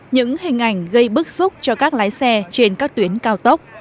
những hình ảnh gây bức xúc cho các lái xe trên các tuyến cao tốc